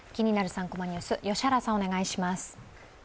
３コマニュース」、良原さん、お願いします。